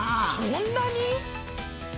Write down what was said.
そんなに？